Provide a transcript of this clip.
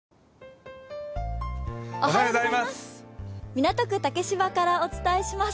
港区竹芝からお伝えします。